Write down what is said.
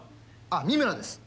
あっ三村です